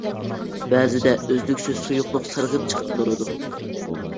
بەزىدە ئۈزلۈكسىز سۇيۇقلۇق سىرغىپ چىقىپ تۇرىدۇ.